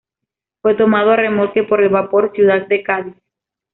Fue tomado a remolque por el vapor "Ciudad de Cádiz".